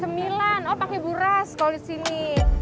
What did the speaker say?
cemilan oh pakai buras kalau di sini